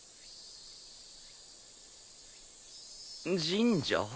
神社？